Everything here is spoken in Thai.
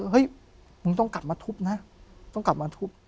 เฮ้ยมึงต้องกลับมาทุบนะต้องกลับมาทุบ